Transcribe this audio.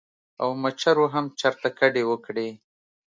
او مچرو هم چرته کډې وکړې ـ